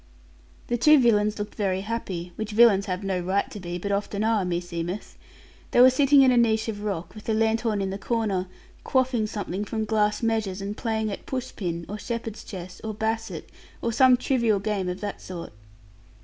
The two villains looked very happy which villains have no right to be, but often are, meseemeth they were sitting in a niche of rock, with the lanthorn in the corner, quaffing something from glass measures, and playing at push pin, or shepherd's chess, or basset; or some trivial game of that sort.